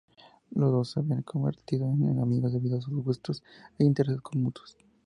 Los dos se habían convertido en amigos, debido a sus gustos e intereses mutuos.